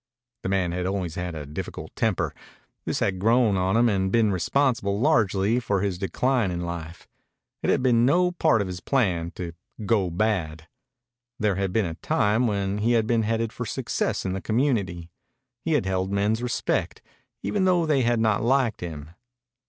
The man had always had a difficult temper. This had grown on him and been responsible largely for his decline in life. It had been no part of his plan to "go bad." There had been a time when he had been headed for success in the community. He had held men's respect, even though they had not liked him.